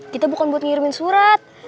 kita bukan buat ngirimin surat